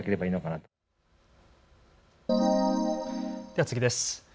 では次です。